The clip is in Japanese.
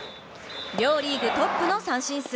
両リーグトップの三振数。